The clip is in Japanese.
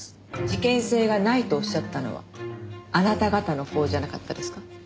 事件性がないとおっしゃったのはあなた方のほうじゃなかったですか？